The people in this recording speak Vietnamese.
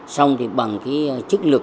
xong thì bằng cái chức lực